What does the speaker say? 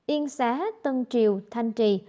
yên xá tân triều thanh trì